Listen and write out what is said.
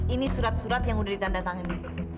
ini surat surat yang udah ditanda tangan